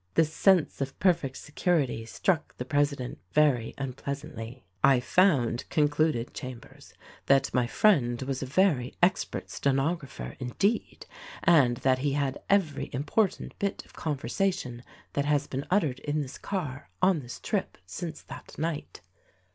This sense of perfect security struck the president very unpleasantly. "I found," concluded Chambers, ''that my friend was a 148 THE RECORDING ANGEL very expert stenographer indeed, and that he had every im portant bit of conversation that has been uttered in this car, on this trip, since that night.